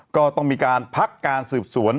ก็ต้องมีการพักการสืบสวน